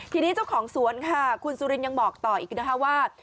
ทีนี้เจ้าของสวนค่ะคุณสุรินยังบอกต่ออีกนะคะว่า